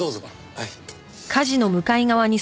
はい。